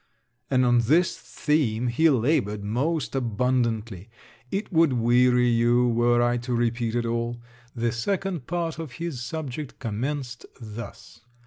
And on this theme he laboured most abundantly; it would weary you were I to repeat it all. The second part of his subject commenced thus.